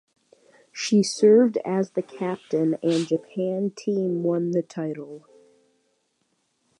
She served as the captain and Japan team won the title.